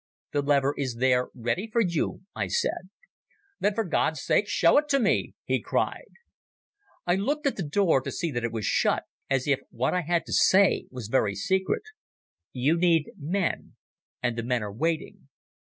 "The lever is there, ready for you," I said. "Then for God's sake show it me," he cried. I looked at the door to see that it was shut, as if what I had to say was very secret. "You need men, and the men are waiting.